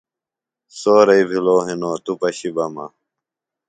سورئی بِھلوۡ ہِنوۡ توۡ پشیۡ بہ مہ۔